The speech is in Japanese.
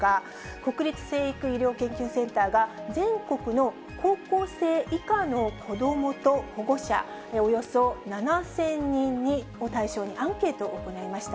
国立成育医療研究センターが、全国の高校生以下の子どもと保護者、およそ７０００人を対象にアンケートを行いました。